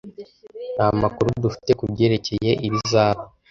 Nta makuru dufite kubyerekeye ibizaba.